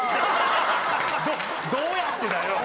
どうやってだよ。